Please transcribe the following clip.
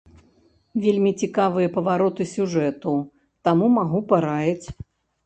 Вельмі цікавыя павароты сюжэту, таму, магу параіць.